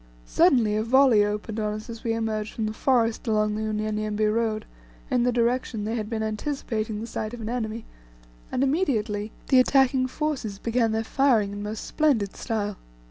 Suddenly, a volley opened on us as we emerged from the forest along the Unyanyembe road, in the direction they had been anticipating the sight of an enemy, and immediately the attacking forces began their firing in most splendid style.